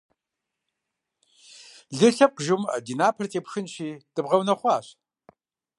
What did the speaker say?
Лей лъэпкъ жумыӏэ, ди напэр тепхынщи, дыбгъэунэхъуащ.